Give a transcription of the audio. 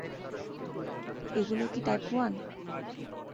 এগুলো কি type one?